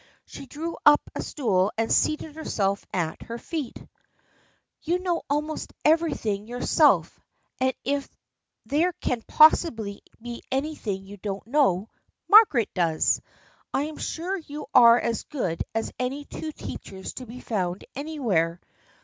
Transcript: She drew up a stool and seated herself at her feet. THE FRIENDSHIP OF ANNE 13 " You know almost everything yourself and if there can possibly be anything you don't know, Margaret does. I am sure you are as good as any two teachers to be found anywhere.